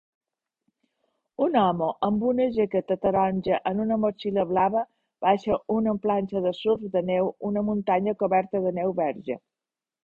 Un home amb una jaqueta taronja en una motxilla blava baixa amb una planxa de surf de neu una muntanya coberta de neu verge.